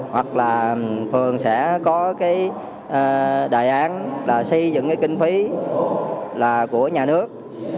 hoặc là phường sẽ có đề án xây dựng kinh phí của nhà nước